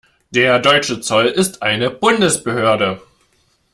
Der deutsche Zoll ist eine Bundesbehörde.